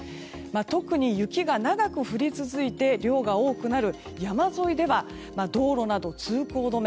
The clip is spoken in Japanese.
特に雪が長く降り続いて量が多くなる山沿いでは道路などで通行止め